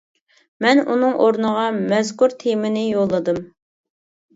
مەن ئۇنىڭ ئورنىغا مەزكۇر تېمىنى يوللىدىم.